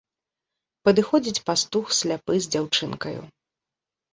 Падыходзіць пастух сляпы з дзяўчынкаю.